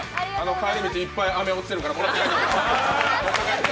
帰り道いっぱい飴落ちてるからもらって帰ってください。